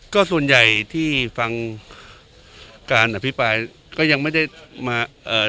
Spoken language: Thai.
ก็ส่วนใหญ่ที่ฟังการอภิปรายก็ยังไม่ได้มาเอ่อ